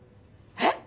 えっ？